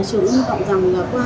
những nội dung giáo dục của